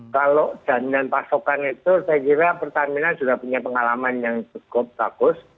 kalau jaminan pasokan itu saya kira pertamina juga punya pengalaman yang cukup bagus